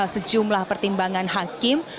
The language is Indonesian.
sejumlah pertimbangan hakim